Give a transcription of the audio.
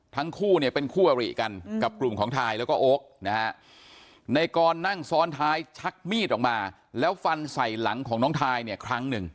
ทั้งคู่เนี่ยเป็นคู่อริกันกับกลุ่มของทายแล้วก็โอ๊คนะฮะในกรนั่งซ้อนท้ายชักมีดออกมาแล้วฟันใส่หลังของน้องทายเนี่ยครั้งหนึ่ง